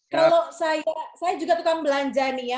kalau saya saya juga tukang belanja nih ya